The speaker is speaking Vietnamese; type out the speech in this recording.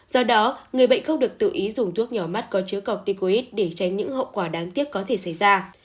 do đó người bệnh không được tự ý dùng thuốc nhỏ mắt có chứa cọp ticoid để tránh những hậu quả đáng tiếc có thể xảy ra